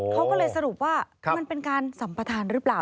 เขาก็เลยสรุปว่ามันเป็นการสัมปทานหรือเปล่า